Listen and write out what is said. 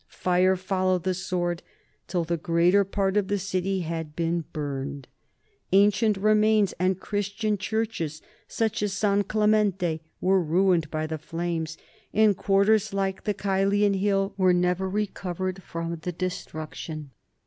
Fire followed the sword, till the greater part of the city had been burned. Ancient remains and Christian churches such as San Clemente were ruined by the flames, and quarters like the Caelian Hill have never recovered from the destruction.